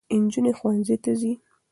نجونې ښوونځي ته ځي.